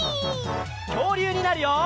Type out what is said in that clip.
きょうりゅうになるよ！